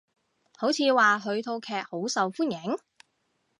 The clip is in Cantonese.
好似話佢套劇好受歡迎？